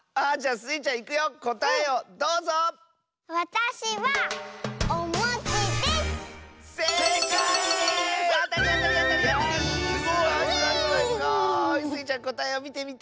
スイちゃんこたえをみてみて。